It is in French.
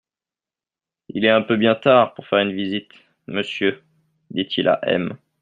Il est un peu bien tard pour faire une visite, monsieur, dit-il à M.